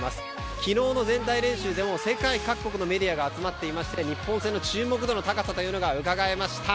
昨日の全体練習でも各国のメディアが集まっていまして日本勢の注目度の高さがうかがえました。